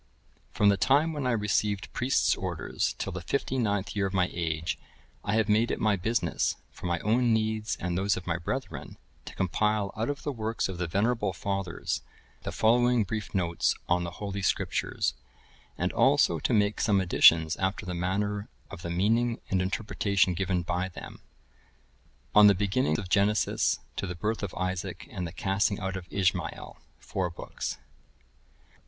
From the time when I received priest's orders, till the fifty ninth year of my age, I have made it my business, for my own needs and those of my brethren, to compile out of the works of the venerable Fathers, the following brief notes on the Holy Scriptures, and also to make some additions after the manner of the meaning and interpretation given by them:(1046) On the Beginning of Genesis, to the birth of Isaac and the casting out of Ishmael, four books.